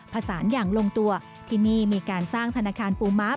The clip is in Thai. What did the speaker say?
ผสานอย่างลงตัวที่นี่มีการสร้างธนาคารปูมาร์